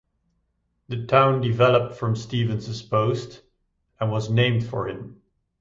The town developed from Stevens's post and was named for him.